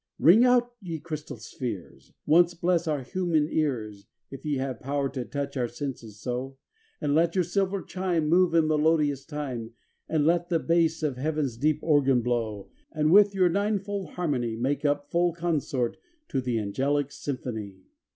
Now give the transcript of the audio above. xm Ring out, ye crystal spheres ! Once bless our human ears, If ye have power to touch our senses so; And let your silver chime Move in melodious time; And let the bass of heaven's deep organ blow; And with your ninefold harmony Make up full consort to the angelic symphony.